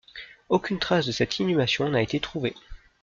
Aucune trace de cette inhumation n'a été trouvée.